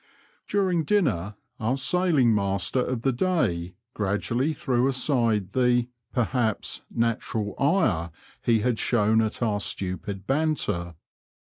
During dinner our sailing master of the day gradually threw aside the, perhaps, natural ire he had shown at our stupid banter.